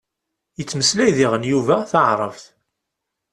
Yettmeslay diɣen Yuba taɛrabt.